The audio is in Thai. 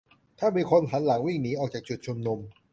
ถ้ามีคนหันหลังวิ่งหนีออกจากจุดชุมนุม